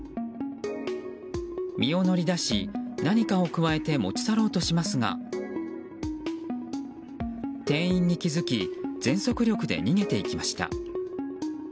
身を乗り出し、何かをくわえて持ち去ろうとしますが店員に気づき全速力で逃げていきました。